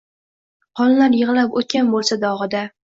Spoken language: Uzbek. Qonlar yig’lab o’tgan bo’lsa dog’ida